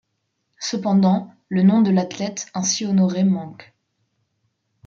Cependant, le nom de l'athlète ainsi honoré manque.